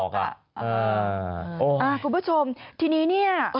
คุณผู้ชมทีนี้เนี่ย